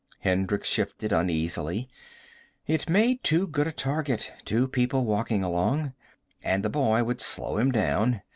Hendricks shifted uneasily. It made too good a target, two people walking along. And the boy would slow him down.